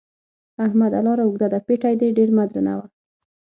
احمده! لاره اوږده ده؛ پېټی دې ډېر مه درنوه.